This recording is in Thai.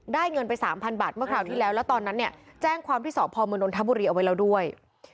เงินไป๓๐๐บาทเมื่อคราวที่แล้วแล้วตอนนั้นเนี่ยแจ้งความที่สพมนนทบุรีเอาไว้แล้วด้วย